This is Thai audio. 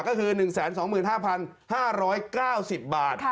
ก็คือ๑๒๕๕๙๐บาท